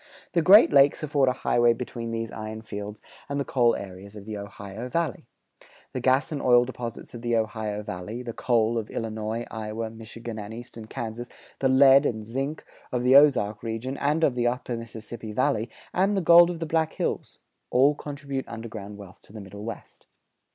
The Great Lakes afford a highway between these iron fields and the coal areas of the Ohio Valley. The gas and oil deposits of the Ohio Valley, the coal of Illinois, Iowa, Michigan, and eastern Kansas, the lead and zinc of the Ozark region and of the upper Mississippi Valley, and the gold of the black Hills, all contribute underground wealth to the Middle West.